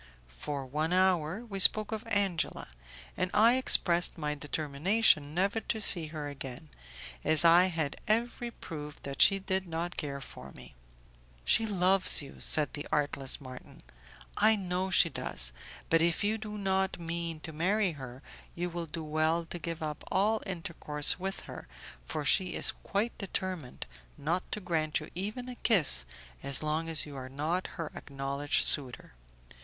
For one hour we spoke of Angela, and I expressed my determination never to see her again, as I had every proof that she did not care for me. "She loves you," said the artless Marton; "I know she does, but if you do not mean to marry her, you will do well to give up all intercourse with her, for she is quite determined not to grant you even a kiss as long as you are not her acknowledged suitor.